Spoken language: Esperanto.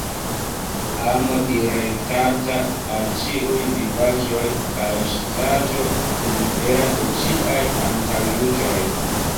Amo direktata al ĉiuj vivaĵoj kaj saĝo libera de ĉiaj antaŭjuĝoj.